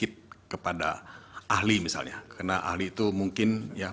terima kasih yang mulia